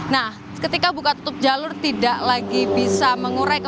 nah ketika buka tutup jalur tidak lagi bisa mengurai